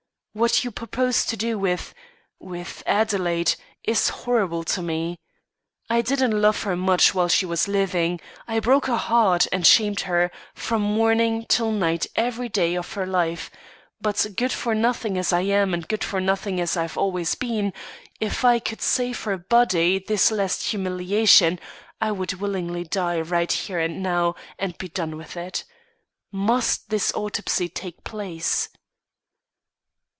What you propose to do with with Adelaide is horrible to me. I didn't love her much while she was living; I broke her heart and shamed her, from morning till night, every day of her life; but good for nothing as I am and good for nothing as I've always been, if I could save her body this last humiliation, I would willingly die right here and now, and be done with it. Must this autopsy take place?"